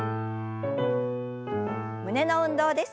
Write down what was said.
胸の運動です。